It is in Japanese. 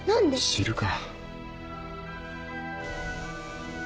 知るか。